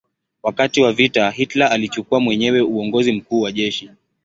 Wakati wa vita Hitler alichukua mwenyewe uongozi mkuu wa jeshi.